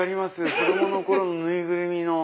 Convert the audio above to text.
子供の頃の縫いぐるみの。